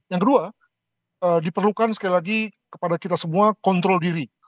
yang kedua diperlukan sekali lagi kepada kita semua kontrol diri